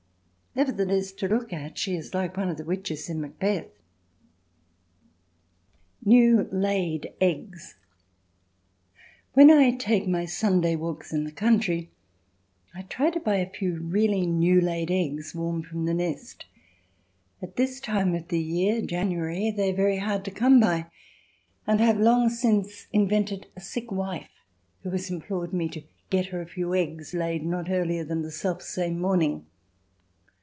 Nevertheless, to look at, she is like one of the witches in Macbeth. New Laid Eggs When I take my Sunday walks in the country, I try to buy a few really new laid eggs warm from the nest. At this time of the year (January) they are very hard to come by, and I have long since invented a sick wife who has implored me to get her a few eggs laid not earlier than the self same morning.